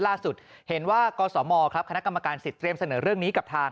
ล่าสุดเห็นว่ากศมครับคณะกรรมการสิทธิเตรียมเสนอเรื่องนี้กับทาง